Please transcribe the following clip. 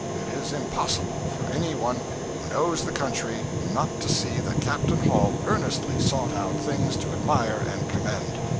It is impossible for any one who knows the country not to see that Captain Hall earnestly sought out things to admire and commend.